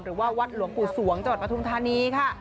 หรือว่าวัดหลวงปู่สวงจังหวัดปทุมธานีค่ะ